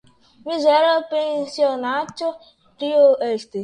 Mizera pensionaĉo tiu estis.